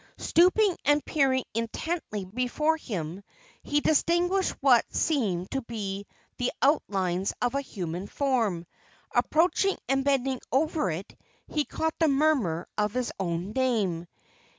Stooping and peering intently before him, he distinguished what seemed to be the outlines of a human form. Approaching and bending over it, he caught the murmur of his own name.